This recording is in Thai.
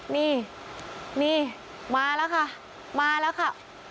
นี่นี่มาแล้วค่ะมาแล้วค่ะ